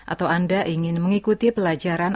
atau anda ingin mengikuti pelajaran